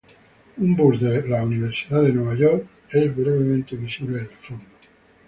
Un bus de la Universidad de Nueva York es brevemente visible en el fondo.